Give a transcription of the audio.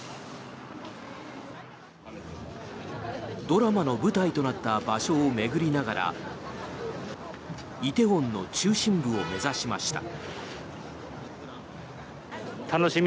ドラマの舞台となった場所を巡りながら梨泰院の中心部を目指しました。